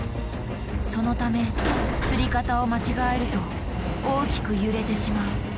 そのためつり方を間違えると大きく揺れてしまう。